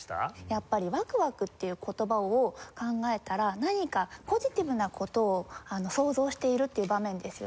やっぱり「ワクワク」っていう言葉を考えたら何かポジティブな事を想像しているっていう場面ですよねきっと。